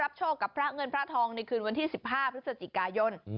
รับโชคกับพระเงินพระทองในคืน๑๙๖๕พฤศจิกายน